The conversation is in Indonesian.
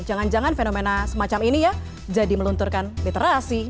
jangan jangan fenomena semacam ini ya jadi melunturkan literasi